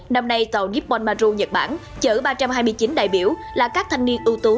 năm nay tàu nippon maru nhật bản chở ba trăm hai mươi chín đại biểu là các thanh niên ưu tú